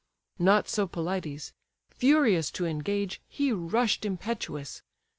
Not so Pelides; furious to engage, He rush'd impetuous.